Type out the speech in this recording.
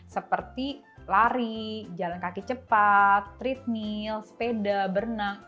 seperti lari jalan kaki cepat treadmill sepeda berenang